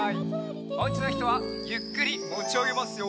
おうちのひとはゆっくりもちあげますよ。